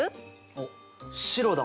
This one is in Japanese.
あっ白だ！